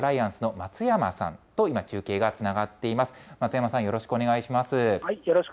松山さん、よろしくお願いします。